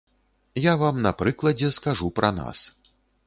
Я вам на прыкладзе скажу пра нас.